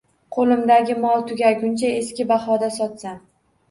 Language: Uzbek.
Qo'limdagi mol tugaguncha eski bahoda sotsam